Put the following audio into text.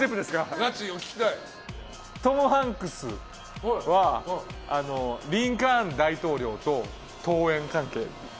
トム・ハンクスはリンカーン大統領と遠縁関係。